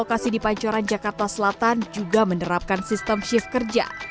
lokasi di pancoran jakarta selatan juga menerapkan sistem shift kerja